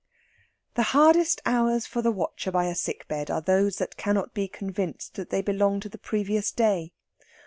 The hardest hours for the watcher by a sick bed are those that cannot be convinced that they belong to the previous day.